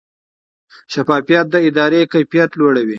شفافیت د ادارې کیفیت لوړوي.